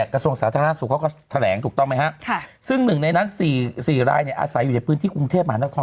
กระทรวงสาธารณสุขเขาก็แถลงถูกต้องไหมฮะซึ่งหนึ่งในนั้น๔รายเนี่ยอาศัยอยู่ในพื้นที่กรุงเทพมหานคร